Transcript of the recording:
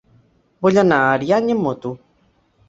Vull anar a Ariany amb moto.